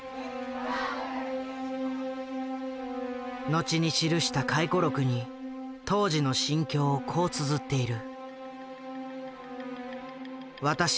後に記した回顧録に当時の心境をこうつづっている。